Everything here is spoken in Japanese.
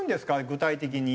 具体的に。